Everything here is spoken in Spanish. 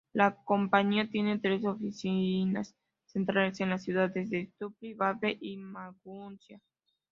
La compañía tiene tres oficinas centrales en las ciudades de Stuttgart, Baden-Baden y Maguncia.